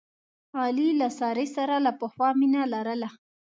علي له سارې سره له پخوا مینه لرله.